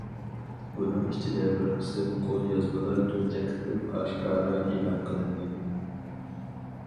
بۇنىڭ ئىچىدە بىر قىسىم قول يازمىلار تۇنجى قېتىم ئاشكارا ئېلان قىلىندى.